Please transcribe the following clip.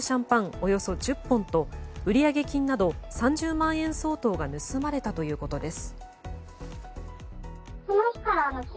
およそ１０本と売上金など３０万円相当が盗まれたということです。